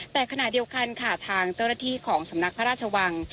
แต่ขณะเดียวกันค่ะทางเจ้าหน้าที่ของสำนักพระราชวัง